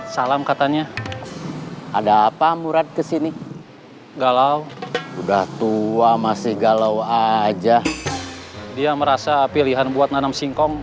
salam katanya ada apa murad kesini galau udah tua masih galau aja dia merasa pilihan buat nanam singkong